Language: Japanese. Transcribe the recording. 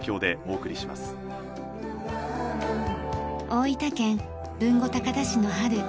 大分県豊後高田市の春。